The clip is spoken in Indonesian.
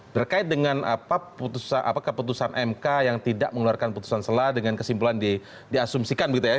berkait dengan keputusan mk yang tidak mengeluarkan putusan selah dengan kesimpulan diasumsikan begitu ya